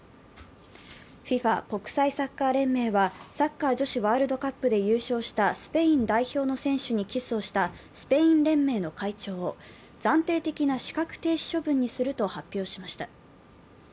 ＦＩＦＡ＝国際サッカー連盟はサッカー女子ワールドカップで優勝したスペイン代表の選手にキスをしたスペイン連盟の会長を暫定的な資格停止処分にすると発表しました。